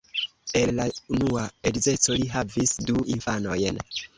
El la unua edzeco li havas du infanojn.